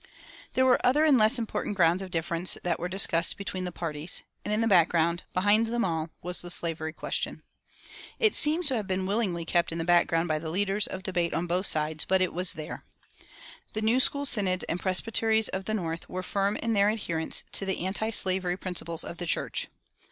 There were other and less important grounds of difference that were discussed between the parties. And in the background, behind them all, was the slavery question. It seems to have been willingly kept in the background by the leaders of debate on both sides; but it was there. The New School synods and presbyteries of the North were firm in their adherence to the antislavery principles of the church.